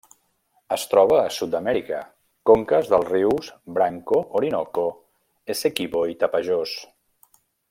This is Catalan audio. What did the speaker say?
Es troba a Sud-amèrica: conques dels rius Branco, Orinoco, Essequibo i Tapajós.